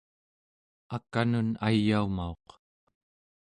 ak'anun ayaumauq